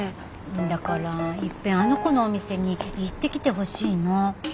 だからいっぺんあの子のお店に行ってきてほしいの。